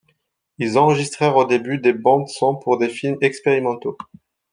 Ils enregistraient au début des bandes-sons pour des films expérimentaux.